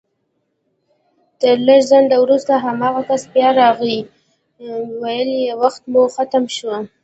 تر لږ ځنډ وروسته هماغه کس بيا راغی ويل يې وخت مو ختم شو